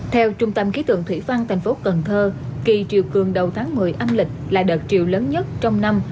theo trung tâm khí tượng thủy văn thành phố cần thơ kỳ triều cường đầu tháng một mươi âm lịch là đợt triều lớn nhất trong năm